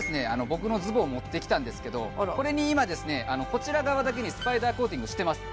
僕のズボン持ってきたんですけどこれに今ですねこちら側だけにスパイダーコーティングしてます